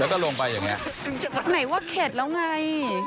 แล้วก็ลงไปอย่างนี้ไหนว่าเข็ดแล้วไง